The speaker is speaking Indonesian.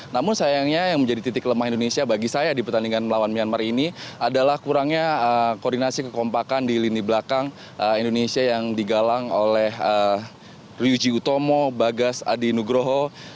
namun sayangnya yang menjadi titik lemah indonesia bagi saya di pertandingan melawan myanmar ini adalah kurangnya koordinasi kekompakan di lini belakang indonesia yang digalang oleh ryuji utomo bagas adi nugroho